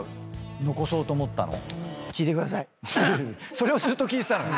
それをずっと聞いてたのよ。